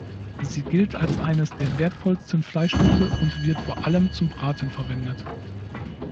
Sie gilt als eines der wertvollsten Fleischstücke und wird vor allem zum Braten verwendet.